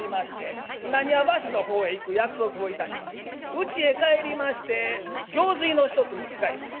うちへ帰りまして行水の一つも使います。